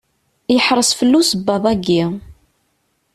Yeḥreṣ fell-i usebbaḍ-agi.